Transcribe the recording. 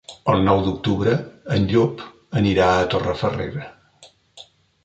El nou d'octubre en Llop anirà a Torrefarrera.